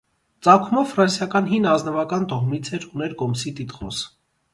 Ծագումով ֆրանսիական հին ազնվականական տոհմից էր, ուներ կոմսի տիտղոս։